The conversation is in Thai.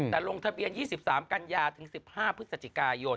แต่ลงทะเบียน๒๓กันยาถึง๑๕พฤศจิกายน